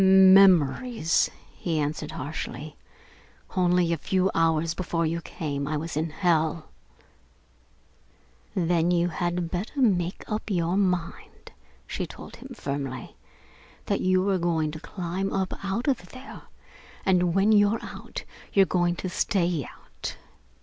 "Memories!" he answered harshly. "Only a few hours before you came, I was in hell!" "Then you had better make up your mind," she told him firmly, "that you are going to climb up out of there, and when you're out, you're going to stay out.